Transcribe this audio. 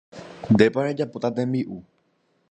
Ndépa rejapóta tembi'u.